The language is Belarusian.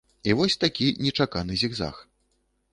І вось такі нечаканы зігзаг.